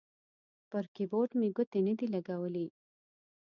پر کیبورډ مې ګوتې نه دي لګولي